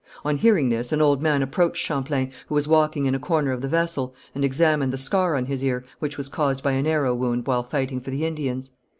On hearing this, an old man approached Champlain, who was walking in a corner of the vessel, and examined the scar on his ear, which was caused by an arrow wound while fighting for the Indians.